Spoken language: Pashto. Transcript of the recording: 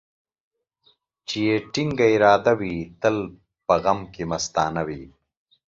چي يې ټينگه اراده وي ، تل په غم کې مستانه وي.